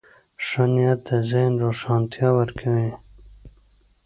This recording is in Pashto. ښه نیت د ذهن روښانتیا ورکوي.